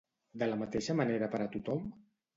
De la mateixa manera per a tothom?